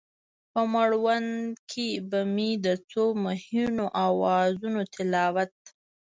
په مړوند کې به مې د څو مهینو اوازونو تلاوت،